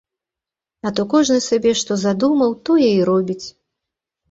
А то кожны сабе што задумаў, тое і робіць.